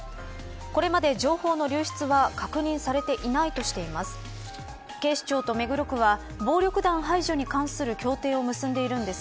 これまで情報の流出は確認されていないとしています。